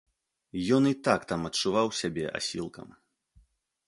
Ён і так там адчуваў сябе асілкам.